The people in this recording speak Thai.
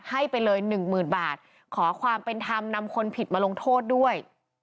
ให้ไปเลยหนึ่งหมื่นบาทขอความเป็นธรรมนำคนผิดมาลงโทษด้วย